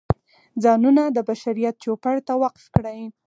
ځانونه د بشریت چوپړ ته وقف کړي.